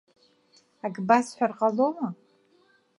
Ак басҳәар ҟалома?